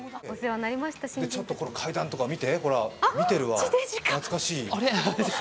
この階段とか見て、見てるわ、懐かしい。